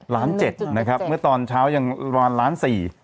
ล้านเจ็ดนะครับเมื่อตอนเช้ายังประมาณล้านสี่